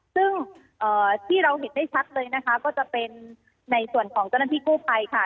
ซึ่งที่เราเห็นได้ชัดเลยนะคะก็จะเป็นในส่วนของเจ้าหน้าที่กู้ภัยค่ะ